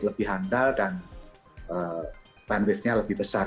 lebih handal dan bandwidthnya lebih besar